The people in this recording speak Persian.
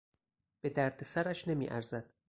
به دردسرش نمیارزد.